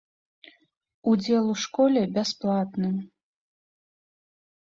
Удзел у школе бясплатны.